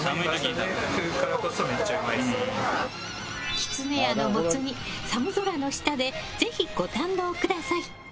きつねやのモツ煮寒空の下でぜひ、ご堪能ください。